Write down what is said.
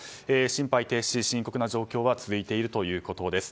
心肺停止、深刻な状況は続いているということです。